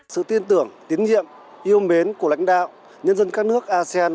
sự tin tưởng tiến nhiệm yêu mến của lãnh đạo nhân dân các nước asean